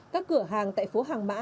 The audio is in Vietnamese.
các cửa hàng tại phố hàng mã